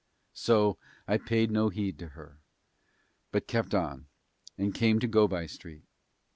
So I paid no heed to her, but kept on, and came to Go by Street.